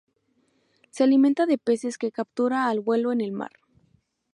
Se alimenta de peces que captura al vuelo en el mar.